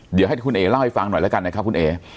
เดี๋ยวให้คุณเอ๋เล่าให้ฟังหน่อยแล้วกันนะครับคุณเอ๋